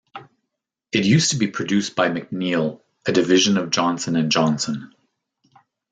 It used to be produced by Mcneil, a division of Johnson and Johnson.